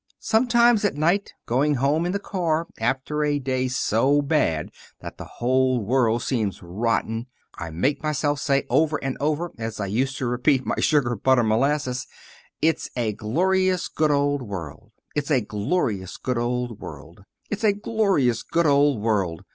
Sometimes at night, going home in the car after a day so bad that the whole world seems rotten, I make myself say, over and over, as I used to repeat my 'Sugar, butter, and molasses.' 'It's a glorious, good old world; it's a glorious, good old world; it's a glorious, good old world.'